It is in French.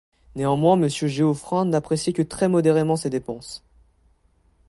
Néanmoins Monsieur Geoffrin n'appréciait que très modérément ces dépenses.